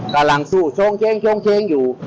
กำลังสู้ชงเช้งชงเช้งอยู่